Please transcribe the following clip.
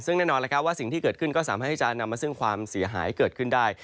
ซึ่งแน่นอนว่าสิ่งที่เกิดขึ้นก็สามารถที่จะนำมาซึ่งความเสียหายเกิดขึ้นได้